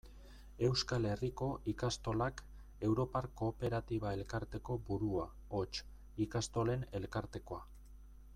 Euskal Herriko Ikastolak europar kooperatiba-elkarteko burua, hots, Ikastolen Elkartekoa.